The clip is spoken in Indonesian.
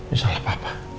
ini salah papa